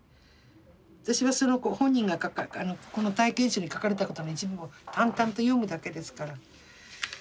私はそのご本人がこの体験集に書かれたことの一部を淡々と読むだけですから。